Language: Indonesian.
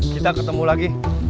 kita ketemu lagi